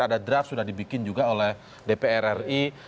ada draft sudah dibikin juga oleh dpr ri